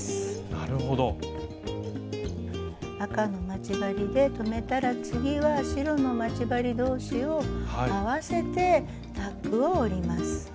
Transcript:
赤の待ち針で留めたら次は白の待ち針同士を合わせてタックを折ります。